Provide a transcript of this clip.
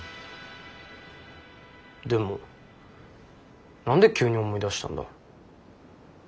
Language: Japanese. でも何で急に思い出したんだ？